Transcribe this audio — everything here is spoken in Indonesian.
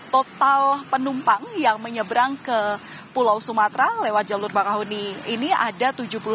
total penumpang yang menyeberang ke pulau sumatra lewat jalur bakau huni ini ada tujuh puluh lima empat ratus tiga puluh tiga